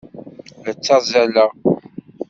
La ttazzaleɣ.